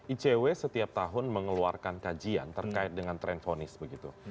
icw setiap tahun mengeluarkan kajian terkait dengan tren fonis begitu